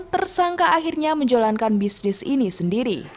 tersangka akhirnya menjalankan bisnis ini sendiri